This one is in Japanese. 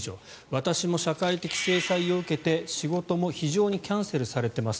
私も社会的制裁を受けて仕事も非常にキャンセルされています